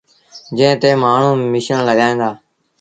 جݩهݩ تي مآڻهوٚݩ ميٚشيٚن لڳائيٚݩ دآ۔